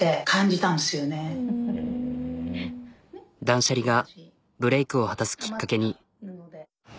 断捨離がブレークを果たすきっかけに。